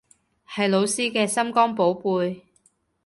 係老師嘅心肝寶貝